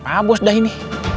pabos dah ini